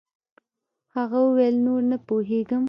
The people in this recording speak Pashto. هغه وويل نور نه پوهېږم.